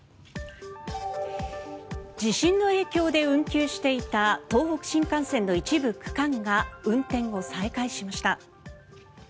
地震の影響で運休していた東北新幹線の一部区間が運転を再開しました。